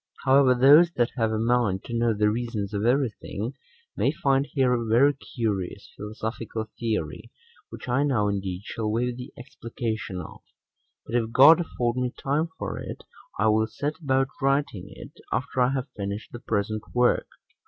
However, those that have a mind to know the reasons of every thing, may find here a very curious philosophical theory, which I now indeed shall wave the explication of; but if God afford me time for it, I will set about writing it 6 after I have finished the present work.